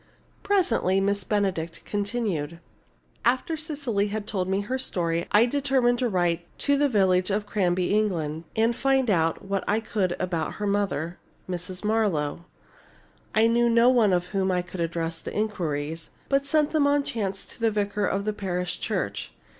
Presently Miss Benedict continued: "After Cecily had told me her story I determined to write to the village of Cranby, England, and find out what I could about her mother, Mrs. Marlowe. I knew no one to whom I could address the inquiries, but sent them on chance to the vicar of the parish church.